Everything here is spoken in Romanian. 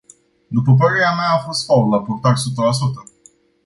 După părerea mea, a fost fault la portar sută la sută.